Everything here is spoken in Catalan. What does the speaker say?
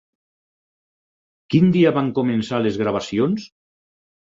Quin dia van començar les gravacions?